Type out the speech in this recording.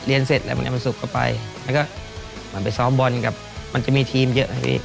เรียนเสร็จแล้วมันยังมันศุกร์ก็ไปแล้วก็มันไปซ้อมบอลกับมันจะมีทีมเยอะ